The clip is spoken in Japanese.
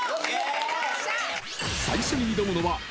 ［最初に挑むのは］